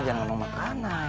jangan mau makanan